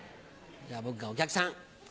じゃあ僕がお客さん。